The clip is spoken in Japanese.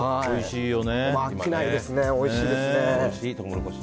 飽きないですね、おいしいですね。